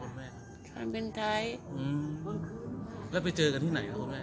แล้วไปเจอกันที่ไหนครับคุณแม่